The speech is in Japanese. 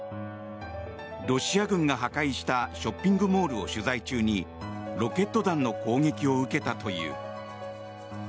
ロシア軍が破壊したショッピングモールを取材中にロケット弾の攻撃を受けたという。